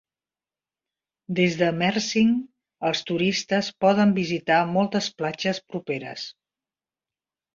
Des de Mersing, els turistes poden visitar moltes platges properes.